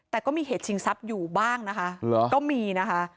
แต่ก็มีเหตุชิงทรัพย์อยู่บ้างนะคะก็มีนะคะ